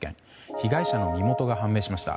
被害者の身元が判明しました。